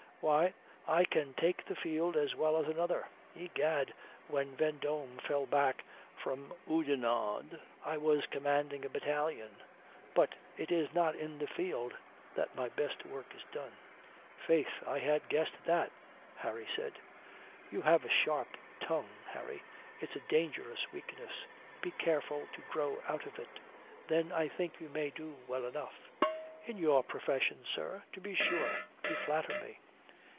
"Why, I can take the field as well as another. Egad, when Vendome fell back from Oudenarde I was commanding a battalion. But it is not in the field that my best work is done." "Faith, I had guessed that," Harry said. "You have a sharp tongue, Harry. It's a dangerous weakness. Be careful to grow out of it. Then I think you may do well enough." "In your profession, sir? To be sure, you flatter me."